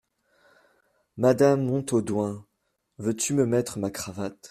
Madame Montaudoin, veux-tu me mettre ma cravate ?